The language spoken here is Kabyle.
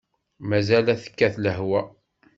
Mazal ad tekkat lehwa!